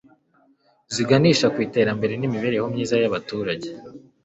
ziganisha ku iterambere n'imibereho myiza y'abaturage